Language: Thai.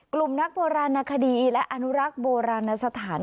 กลุ่มนักโบราณนาคดีและอนุรักษ์โบราณสถาน